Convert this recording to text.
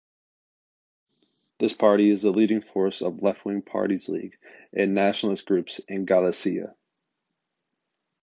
This party is the leading force of left-wing parties league and nationalist groups in Galicia.